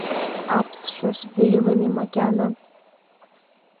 Аԥсшәа шәзеилами макьана?